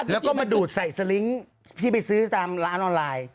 แล้วก็มาดูดใส่สลิงค์ที่ไปซื้อตามร้านออนไลน์